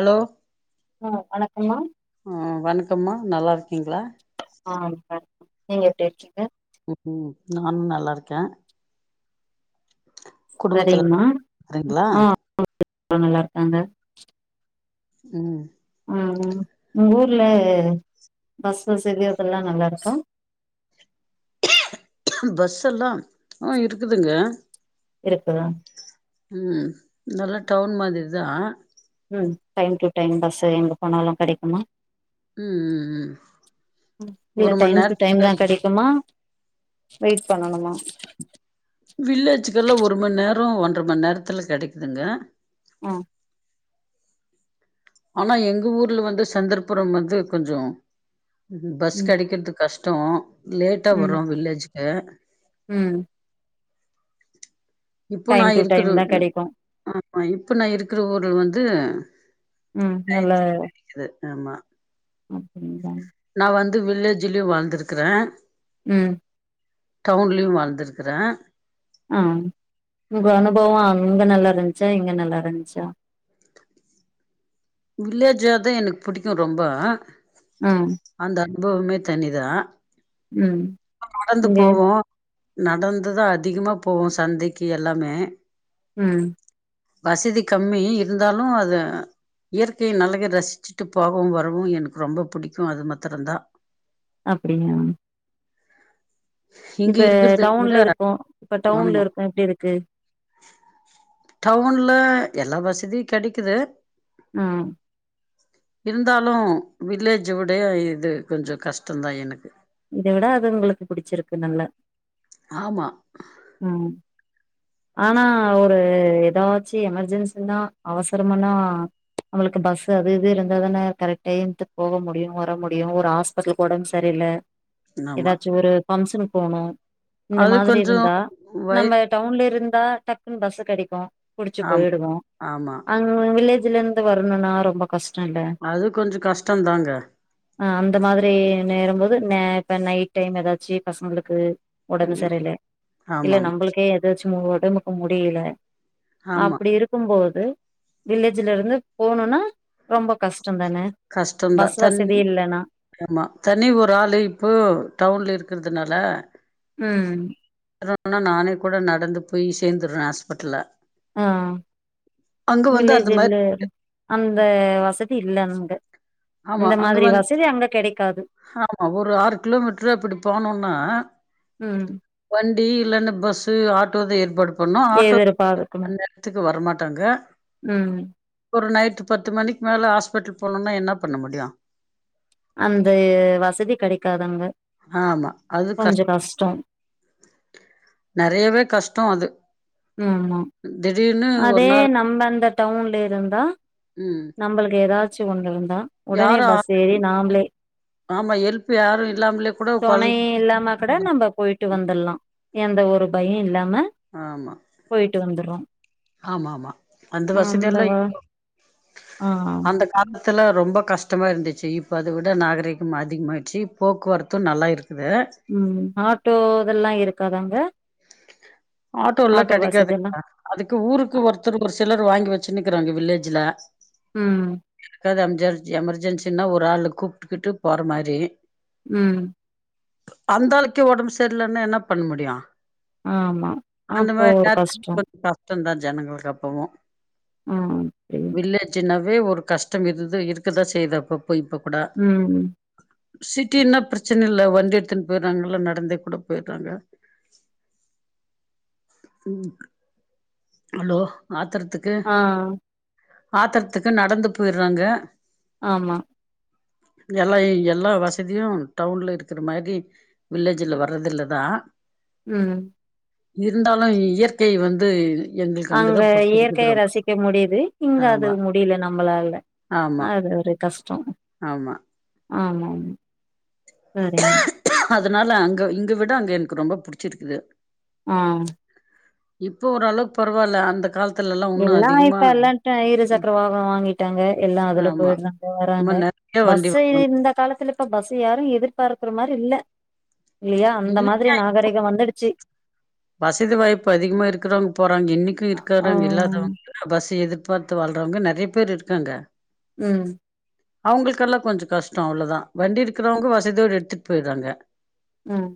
Hello ம் வணக்கம்மா ஆ வணக்கம்மா நல்ல இருக்கீங்களா ஆங்க நீங்க எப்படி இருக்கீங்க ஹ் ம் நானு நல்லா இருக்கே குடும்பத்துல சரிங்ம்மா இருக்கிறீங்களா ஆ [inaudible] நல்லா இருக்காங்க ம் ஆ உங்க ஊர்ல பஸ் வசதி அதெல்லா நல்லா இருக்கா ம் பஸ் எல்லா ஆ இருக்குதுங்க இருக்குதா ம் நல்லா டவுண் மாதிரி தா ம் டைம் டு டைம் பஸ் எங்க போனாலு கெடைக்குமா ம் ம் ம் இல்ல ஒரு மண் டைம் டு நேரத்துக்கு டைம்லா கெடை குமா வெயிட் பண்ணணுமா வில்லேஜ்க்கு எல்லா ஒரு மணி நேரோ ஒன்றரை மணி நேரத்துல கிடைக்குதுங்க ஆ ஆனா எங்க ஊர்ல வந்து சந்தர்புரம் வந்து கொஞ்சோ பஸ் ம் கிடைக்கிறது கஷ் டம் லேட்டா ம் வரும் வில்லேஜ்க்கு ம் இப்போ நா டைம் டு டைம் இருக்கறது தா வந்து கெடைக்கு ஆமா இப்போ நா இருக்கற ஊர்ல வந்து ம் இது ஆமா அப்டிங்ளா நா வந்து வில்லேஜ்லையு வாழ்ந்திருக்கறே ம் டவுன்லையு வாழ்ந்திருக்கிறே ஆ உங்க அனுபவோ அங்க நல்லா இருந்துச்சா இங்க நல்லா இருந்துச்சா வில்லேஜ்ஜா தா எனக்கு புடிக்கு ரொம்ப ம் அந்த அன்பவமே தனிதா ம் நடந்து இங்க போவோ நடந்துதா அதிகமா போவோ சந்தைக்கி எல்லாமே ம் வசதி கம்மி இருந்தாலு அத இயற்கையின் அழக ரசிச்சிட்டு போகவு வரவு எனக்கு ரொம்ப புடிக்கு அது மத்திரம்தா அப்படிங்களா இங்க இப்ப இருக்கிறத விட டவுன்ல இருக்கோ இப்ப டவுன்ல ஆமா இருக்கோ எப்படி இருக்கு டவ்வுன்ல எல்லா வசதியு கெடைக்கிது ஆ இருந்தாலு வில்லேஜ விடயே இது கொஞ்சோ கஷ்டந்தா எனக்கு இது இத விட அது உங்களுக்கு புடிச்சிருக்கு நல்லா ஆமா ம் ஆனா ஒரு ஏதாச்சு எமர்ஜென்சினா அவசரமனா அவளுக்கு பஸ் அது இது இருந்தா தானே கரெக்ட் டையத்துக்கு போக முடியு வர முடியு ஒரு ஆஸ் பசங்ளுகு ஒடம்பு சரியில ஆமா ஏதாச்சு ஒரு பம்ஷனுகு போகணு இந்த அது மாதிரி கொஞ்சோ இருந்தா வய நம்ப டவுன்ல இருந்தா டக்குன்னு பஸ் கெடைக்கு புடிச்சு ஆமா போயிடுவோ ஆமா அங்க ம் வில்லேஜ்ல இருந்து வரணுனா ரொம்பக் கஷ்டொல்ல அது கொஞ்சோ கஷ்டந் தாங்க ஆ அந்த மாதிரி நேரும் போது இப்ப நைட் டைம் ஏதாச்சு பசங்களுக்கு ஒடம்பு ம் சரியில இல்ல ஆமாமா நம்மளுக்கே எதாச்சு உடம்புக்கு முடியல ஆமா அப்டி இருக்கும் போது வில்லேஜ்ல இருந்து போணுனா ரொம்ப கஷ்டம் தானே பஸ் வசதி இல்லனா ஏமா தனி ஒரு ஆளு இப்போ டவுன்ல இருக்கிறதுனால ம் எதோ ஒன்னுனா நானே கூட நடந்து போய் சேந்துறே ஹாஸ்பட்ல அ ஆ வந்து அந்த வில்லேஜ் மாரி இல்ல அந்த வசதி இல்ல அங்க ஆமா இந்த அங்க மாதிரி வந் வசதி அங்க கெடைக் க்காது ஆமா ஒரு ஆறு கிலோ மீட்டர் அப்டி போனோனா ம் வண்டி இல்லன்னா பஸ்சு ஆட்டோதே ஏற்பாடு பண்ணு ஆட்டோ [unintelligible] எதிர்பார்க்கணு அந் நேரத்துக்கு வரமாட்டாங்க ம் ஒரு நைட்டு பத்து மணிக்கு மேல ஹாஸ்பிட்டல் போனோனா என்ன பண்ண முடியு அந்த வசதி கெடைக்காதங்க ஆமா அது கஷ் நெறையவே கஷ்டோ அது ம் திடீர்னு ஒரு அதே நாள் நம்ப அந்த டவுன்ல இருந்தா ம் நம்மளுக்கு ஏதாச்சு ஒண்ட்ருந்தா உடனே யாரு பஸ் ஏறி நாம்பலே ஆமா ஹெல்ப் யாரு இல்லாமலே கூட கொழந் தொணையே இல்லாம கூட நம்ப போயிட்டு வந்துட்லா எந்த ஒரு பய இல்லாம ஆமா போயிட்டு வந்துறோ ஆமா ஆமா அந்த வசதி எல்லா வ இப் [unintelligible] ஆ அந்தக் காலத்தில ரொம்ப கஷ்டமாக இருந்துச்சு இப்போ அத விட நாகரீகம் அதிகமாயிச்சு போக்குவரத்து நல்லா இருக்கு ம் ஆட்டோ இதல்லா இருக்காதாங்க ஆட்டோ எல்லா வசதி எல்லா கெடைக்காதுங்க அதுக்கு ஊருக்கு ஒருத்தர் ஒரு சிலர் வாங்கி வச்சுன்னுக்கிறாங்க வில்லேஜ்ல ம் எதுக்காவது எம்ஜார் எமர்ஜென்சின்னா ஒரு ஆள் கூப்ட்டுக்கிட்டு போற மாரி ம் அந்த ஆளுக்கே ஒடம்பு சரியில்லன்னா என்ன பண்ண முடியு ஆமா அந்த அப்போ மாரி ஒரு நேரத்துக்கு கஷ்ட கொஞ்சோ கஷ்டந்தா ஜனங்களுக்கு அப்பவு ஆ அப்படியா வில்லேஜ்னா ஒரு கஷ்ட இருக்குது இருக்குதா செய்யுது அப்பப்ப இப்ப கூட ம் சிட்டின்னா ப்ரச்சன இல்ல வண்டி எடுத்துன்னு போயறாங்கல்ல நடந்தே கூட போயிடுறாங்க ம் ஹலோ ஆத்தறதுக்கு ஆ ஆத்தறத்துக்கு நடந்து போயிட்றாங்க ஆமா எல்லா எல்லா வசதியு டவுன்ல இருக்குற மாரி வில்லேஜில்ல வர்றதில்லதா ம் இருந்தாலு இயற்கை வந்து எங்களுக்கு அங்க அங்கதா புடிச்சிருக்குது இயற்கைய ரொம்ப ரசிக்க முடியுது இங்க அது ஆமா முடியல நம்மளால ஆமா அது ஒரு கஷ்டோ ஆமா ஆமாங்க சரிங்க அதனால அங்க இங்க விட அங்க எனக்கு ரொம்ப புடிச்சிருக்குது ஆ இப்போ ஓரளவுக்கு பரவால்ல அந்த காலத் எல்லா இப்ப எல்லா இருசக்கர வாகன வாங்கிட்டாங்க எல்லா அதுல ஆமா போயிட்றாங்க ஆமா வராங்க நெறைய வண்டி பஸ்ஸே வாங்கணும். இந்த காலத்துல இப்ப பஸ் யாரு எதிர்பார்க்கிற மாரி இல்ல இல்லையா அந்த இல்லைங்க மாரி நாகரீக வந்துடுச்சு வசதி வாய்ப்பு அதிகமா இருக்கறவங் போறாங்க இன்னைக்கு ஆ இருக்கறாங்க இல்லாதவங்க பஸ்ஸ எதிர்பார்த்து வாழ்றவங்க நெறைய பேர் இருக்காங்க ம் அவங்களுக்கெல்லா கொஞ்ச கஷ்ட அவ்ளோதா வண்டி இருக்கிறவங்க வசதியோட எடுத்துட்டு போயட்றாங்க ம்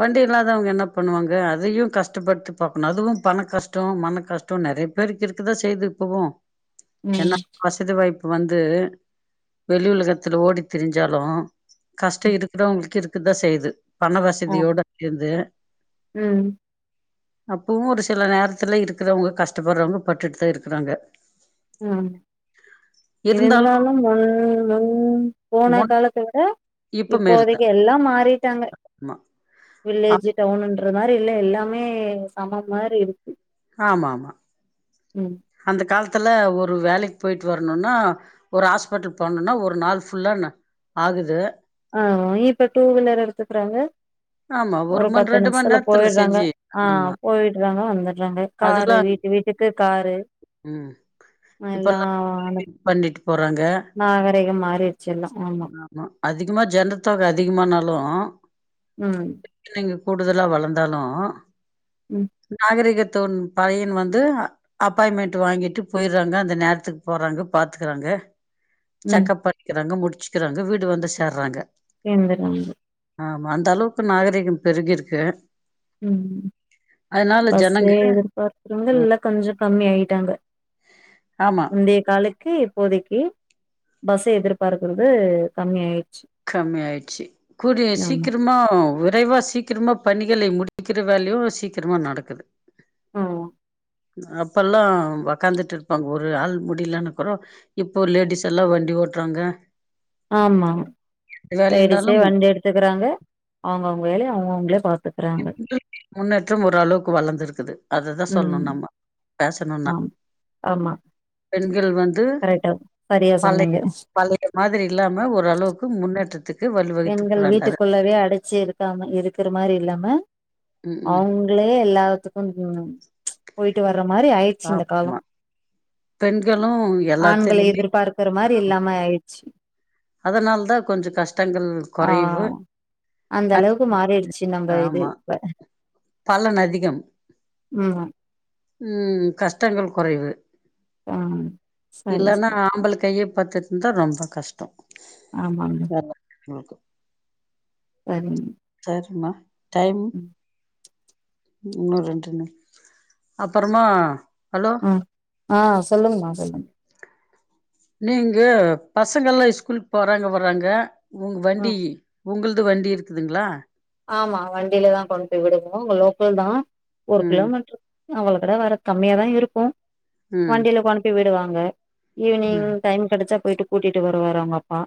வண்டி இல்லாதவங்க என்ன பண்ணுவாங்க அதையு கஷ்டப்படுத்தி பாக்கணு அதுவு பணகஷ்ட மனகஷ்ட து நெறைய பேருக்கு இருக்குதா செய்து இப்பவு ம் ஏன்னா வசதி வாய்ப்பு வந்து வெளி உலகத்துல ஓடி திரிஞ்சாலு கஷ்ட இருக்கிறவங்களுக்கு இருக்கதா செய்யுது பண ஆமா வசதியோடு இருந்து ம் அப்பவு ஒரு சில நேரத்துல இருக்கிறவங்க கஷ்டப்படுறவங்க பட்டுட்டு தா இருக்கறாங்க ம் இருந்தாலு முன் முன் போன முன் காலத்த விட இப்ப மேல்தா இப்போதைக்கு எல்லா மாறிட்டாங்க ஆமா ஆ- வில்லேஜ்ஜு டவுனுன்ற மாரி இல்ல எல்லாமே சமம் மாரியிருக்கு ஆமாமா ம் அந்த காலத்துல ஒரு வேலைக்கு போயிட்டு வரணும்ன்னா ஒரு ஹாஸ்பிட்டல் போனுனா ஒருநாள் ஃபுல்லா ஆகுது ஆ இப்ப டூ வீலர் எடுத்துக்கறாங்க ஆமா ஒரு மண் பத்து ரெண்டு மண் நிமிஷத்துல நேரத்துல போயட்றாங்க செஞ்சு ஆ ஆமா போயட்றாங்க வந்துட்றாங்க காரு அதெல்லா வீட்டு வீட்டுக்கு காரு ம் எல்லா இப்பல்லாம் பண்ணிட்டு போறாங்க நாகரிகம் மாறிடுச்சு எல்லா ஆமா அதிகமா ஜனத்தொக அதிகமானாலும் ம் பிள்ளைங்க கூடுதலா வளந்தாலு ம் நாகரிகத்துன் பழையன் வந்து அப்பாயின்மெண்ட்டு வாங்கிட்டு போயிறாங்க அந்த நேரத்துக் போறாங்க பாத்துக்குறாங்க ம் செக்கப் பண்ணிக்கிறாங்க முடிச்சுக்கிறாங்க வீடு வந்து சேர்றாங்க சேர்ந்தர்றாங்க ஆமா அந்த அளவுக்கு நாகரீகம் பெருகிருக்கு ம் அதனால ஜனங்க பஸ்சே எதிர்பார்க் அ பெங்கல்லா கொஞ்சோ கம்மி ஆயிட்டாங்க ஆமா முந்தய காலக் கு இப்போதைக்கு பஸ்சு எதிர்பாக்குறது கம்மி ஆயிச்சு கம்மி ஆயிச்சி கூடிய சீக்கர மா விரைவா சீக்கிரமா பணிகளை முடிக்கிற வேலையு சீக்கிரமா நடக்குது ம் அப்பல்லா ஒக்காந்துட்டு இருப்பாங்க ஒரு ஆள் முடியலனாக்குற இப்போ லேடிஸ் எல்லா வண்டி ஓட்றாங்க ஆமா லேடிசே வேலைனாலும் வண்டி எடுத்துக்குறாங்க அவுங்க அவுங்க வேலைய அவங்கவுங்களே பாத் முன்னேற்றம் ஓரளவுக்கு வளர்ந்திருக்குது அதுதான் சொல்ணு ம் நம்ம பேசணுன்னா ஆம் ஆமா பெண்கள் வந் கரெக்டா சரியா சொன்னீங்க பழைய மாதிரி இல்லாம ஓரளவுக்கு முன்னேற்றத்துக் எங்கள் வீட்டுக்குள்ளவே அடைச்சி இருக்காம இருக்கற மாரி இல்லாம ம், ம். அவுங் ள்ளயே எல்லாத்துக்கு போயிட்டு வர மாரி ஆய் ருச்சு இந்த ஆமா. காலோம் பெண்களு ஆண்களை எல்லாத்திலுமே எதிர்பார்க் குற மாரி இல்லாம ஆயிச்சி அதுனால் தான் கொஞ்சோ கஷ்டங்கள் ஆ கொறைவு அந்த அளவுக்கு மாறிருச்சு நம்ம இது ஆமா இப்ப பலன் அதிகம் ம் கஷ்டங்கள் ம் குறைவு ஆ சரி இல்லன்னா சரி ஆம்பல கையே பாத்துட்டுருந்தா ரொம்ப கஷ்டோ ஆமாங்க [unintelligible] வரிங் சரிம்மா டைம் ம் இன்னு ரெண்டு நிம் அப்பறமா ஹலோ ஆ சொல்லுங்கமா சொல்லுங் நீங்க பசங்கல்லா ஸ்கூல் போறாங்க வறாங்க உங்க வண்டி ம் உங்குள்து வண்டி இருக்குதுங்களா ஆமா வண்டில தா கொண்டு போய் விடுவோ இங்க லோக்கல் தா ஒரு ம் கிலோமீட்ரு அவ்ள கூட வர கம்மியாதான் இருக்கும் ம் வண்டியில கொண்டு போய் விடுவாங்க ஈவ்னிங் ம் டைம் கெடச்சா போயிட்டு கூட்டிட்டு வருவாரு அவுங்க அப்பா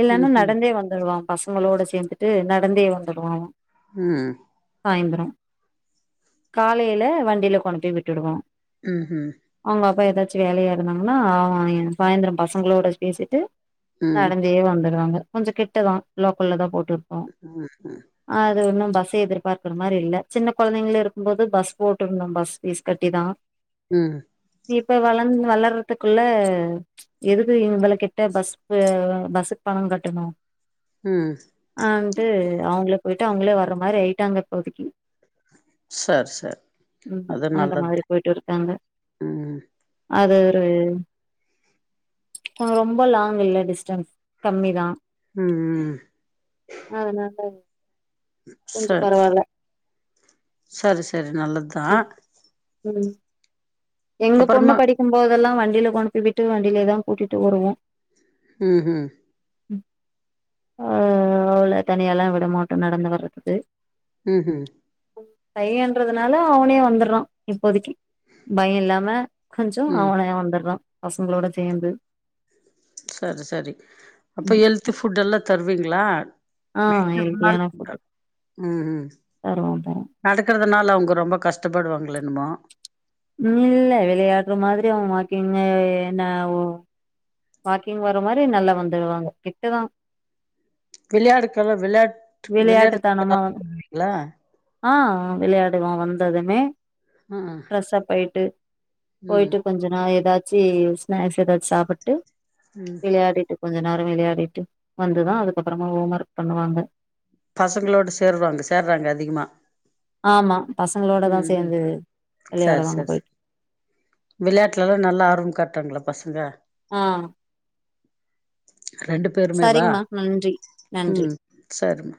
இல்லன்னா ம் ம் நடந்தே வந்துருவான் பசங்களோட சேர்ந்துட்டு நடந்தே வந்துடுவா அவன் ம் சாய்ந்த்ரோ காலையில வண்டியில கொண்டு போய் விட்டுடுவோ ம் ஹூ அவுங்க அப்பா ஏதாச்சு வேலையா இருந்தாங்கன்னா அவன் என் சாயந்திரோ பசங்ளோட பேசிட்டு ம் நடந் தே வந்துடுவாங்க கொஞ்சோ கிட்ட தா லோக்கல்ல தா போட்டுருக்கோ ம் ம் அது ஒன்னு பஸ்ஸே எதிர்பார்க்கற மாரி இல்ல சின்ன கொழந்தைங்கல இருக்கும் போது பஸ் போட்ருந்தோ பஸ் பீஸ் கட்டி தா ம் இப்ப வளந்து வளர்றதுக்குள்ள எதுக்கு இவுங்கள கிட்ட பஸ் பஸ்ஸுக்கு பணம் கட்டணு ம் ஆன்ட்டு அவுங்ள போயிட்டு அவுங்ளே வர்ற மாரி ஆயிட்டாங்க இப்போதிக்கி சரி சரி ம் அது அந்த மாதிரி நல்லதுதா போயிட்டு இரு க்காங்க ம் அது ஒரு ரொம்ப லாங் இல்ல டிஸ்டன்ஸ் கம்மிதா ம் ம் அதனால கொஞ்ச சரி பரவால்ல சரி சரி நல்லது ம் ம் எங்க பொண்ணு அப்பறமா படிக்கும் போதெல்லா வண்டியில கொண்டு போய் விட்டு வண்டியிலே தா கூட்டிட்டு வருவோ ம் ஹூ ம் அவ்ள தனியால்லா விட மாட்டோ நடந்து வர்றதுக்கு ம் ஹூ பையன்றதுனால அவனே வந்தர்றா இப்போதிக்கி பய இல்லாம கொஞ்சோ ம் அவனே வந்துர்றா பசங்ளோட சேர்ந்து செரி செரி அப்போ ம் ஹெல்தி ஃபுட் எல்லா தருவீங்ளா ஆ [inaudible] ம் ஹூ தருவோ தரு நடக்கறதுனால அவுங்க ரொம்ப கஷ்டப்படுவாங்ள என்னமோ இல்ல விளையாடுற மாதிரி அவுங்க வாக்கிங்க என்ன ஒ வாக்கிங் வர்ற மாரி நல்லா வந்துருவாங்க கிட்டதா விளையாடு காலோ விளையாட்டு விளையாட்டுக் விளையாட்டுத்தனமா [inaudible] வந்து விடுவீங்ளா ஆ விளையாடுவான் வந்ததுமே ஆ ஃப்ரஸ் அப் ஆயிட்டு ம் போயிட்டு கொஞ்ச நேர ஏதாச் சி ஸ்நாக்ஸ் ஏதாச்சு சாப்புட்டு ம் விளையாடிட்டு கொஞ்ச நேர விளையாடிட்டு வந்துதா அதுக்கப்பறமா ஹோம் ஒர்க் பண்ணுவாங்க பசங்ளோடு சேருவாங்க சேர்றாங்க அதிகமாக ஆமா பசங்களோட தா ம் சேர்ந்து வெளையாடு வாங்க போயிட்டு விளையாட்டுல எல்லா நல்லா ஆர்வம் காட்றாங்ளா பசங்க ஆ ரெண்டு பேருமே வா சரிங்கமா நன்றி நன்றி ம் சேர்மா